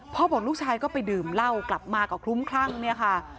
บอกลูกชายก็ไปดื่มเหล้ากลับมาก็คลุ้มคลั่งเนี่ยค่ะ